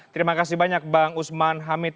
terima kasih banyak bang usman hamid